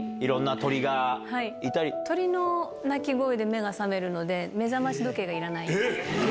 鳥の鳴き声で目が覚めるので、目覚まし時計がいらない。